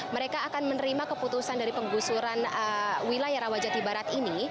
mereka akan menerima keputusan dari penggusuran wilayah rawajati barat ini